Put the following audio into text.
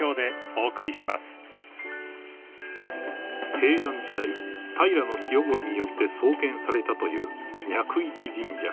［平安時代平清盛によって創建されたという］